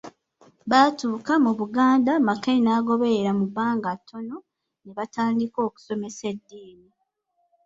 Baatuuka mu Buganda Mackay n'agoberera mu bbanga ttono, ne batandika okusomesa eddiini.